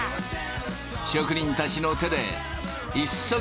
職人たちの手で一足